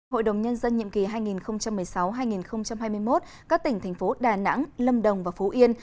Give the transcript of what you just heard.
hội đồng nhân dân nhiệm kỳ hai nghìn một mươi sáu hai nghìn hai mươi một các tỉnh thành phố đà nẵng lâm đồng và phú yên